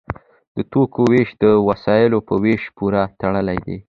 د توکو ویش د وسایلو په ویش پورې تړلی دی.